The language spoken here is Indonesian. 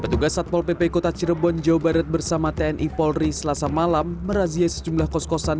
petugas satpol pp kota cirebon jawa barat bersama tni polri selasa malam merazia sejumlah kos kosan